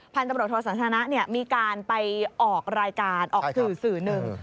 พันธุ์ตำรวจโทสันทนะเนี่ยมีการไปออกรายการออกสื่อหนึ่ง